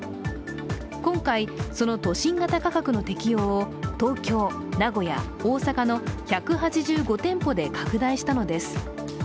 今回、その都心型価格の適用を東京、名古屋、大阪の１８５店舗で拡大したのです。